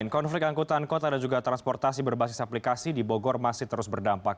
konflik angkutan kota dan juga transportasi berbasis aplikasi di bogor masih terus berdampak